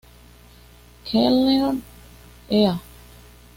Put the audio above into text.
Kellner e.a.